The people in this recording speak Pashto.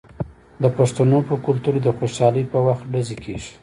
د پښتنو په کلتور کې د خوشحالۍ په وخت ډزې کیږي.